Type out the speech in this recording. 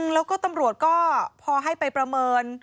แล้วก็ตำรวจก็พอให้ไปประเมิน